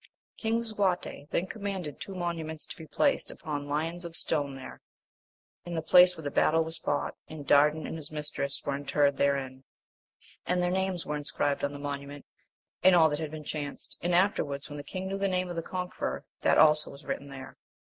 ING LISUAETE then commanded two monu ments to be placed upon lions of stone there, in the place where the battle was fought, and Dardan and his mistress were interred therein, and their names were inscribed on the monu ment, and all that had chanced ; and afterwards, when the king knew the name of the conqueror, that also was written there.